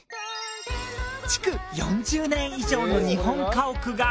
築４０年以上の日本家屋が。